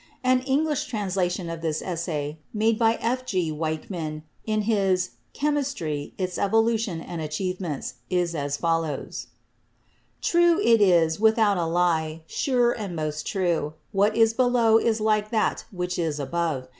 An English translation of this essay, made by F. G. Weichmann in his "Chemistry, Its Evolution and Achievements," is as follows: "True it is without a lie, sure and most true ; what is below is like that which is above.